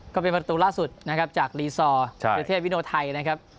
ก็เป็นประตูล่าสุดนะครับจากรีซอร์สุริเทพวิโนไทยนะครับ